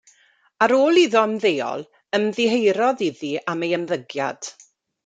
Ar ôl iddo ymddeol ymddiheurodd iddi am ei ymddygiad.